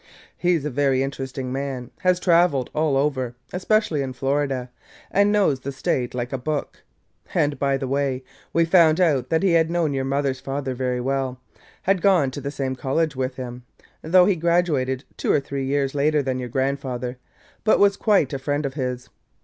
"He 's a very interesting man – has traveled all over, especially in Florida, and knows the State like a book. And, by the way, we found out that he had known your mother's father very well, had gone to the same college with him, though he graduated two or three years later than your grandfather, but was quite a friend of his.